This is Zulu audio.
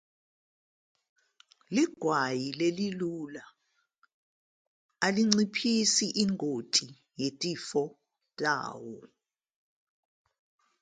Usikilidi olula awuyinciphisi ingozi yezifo zawo.